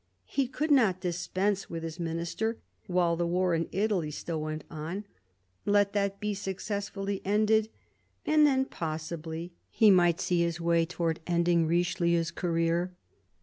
He could not dispense with his Minister while the war in Italy still went on. Let that be successfully ended — and then, possibly, he might see his way towards ending Richelieu's career.